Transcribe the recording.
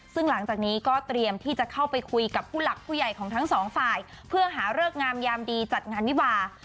ซึ่งหลังจากนี้ก็เตรียมที่จะเข้าไปคุยกับผู้หลักผู้ใหญ่ของทั้งสองฝ่ายเพื่อหาเลิกงามยามดีจัดงานวิวา